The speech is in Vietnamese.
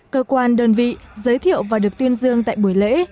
cơ quan đơn vị giới thiệu và được tuyên dương tại buổi lễ